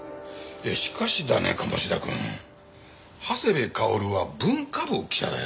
しかしだね鴨志田くん長谷部薫は文化部記者だよ。